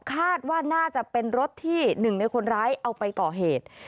คาดว่าน่าจะเป็นรถที่หนึ่งในคนร้ายเอาไปก่อเหตุ